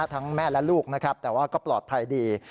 ทั้งแม่แล้วลูกแต่ว่าก็ปลอดภัยดี